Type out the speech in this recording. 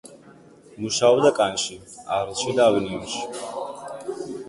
მუშაობდა კანში, არლში და ავინიონში.